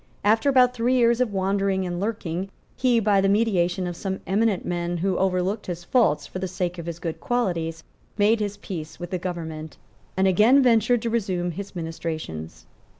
After about three years of wandering and lurking he, by the mediation of some eminent men, who overlooked his faults for the sake of his good qualities, made his peace with the government, and again ventured to resume his ministrations.